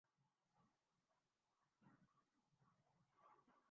جو سے سال کا آخر کا چھٹی اور تحائف دینا کا سیزن میں مسابقت شدید ہونا رہنا ہونا